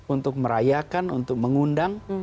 untuk merayakan untuk mengundang